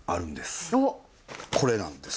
これなんです。